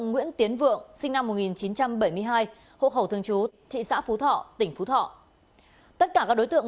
nguyễn tiến vượng sinh năm một nghìn chín trăm bảy mươi hai hộ khẩu thường chú thị xã phú thọ tỉnh phú thọ tất cả các đối tượng